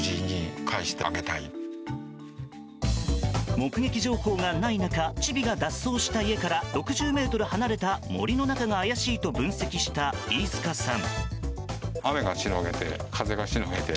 目撃情報がない中チビが脱走した家から６０ｍ離れた森の中が怪しいと分析した飯塚さん。